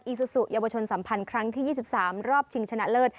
ซูซูเยาวชนสัมพันธ์ครั้งที่๒๓รอบชิงชนะเลิศ